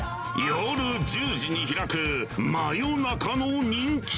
夜１０時に開く真夜中の人気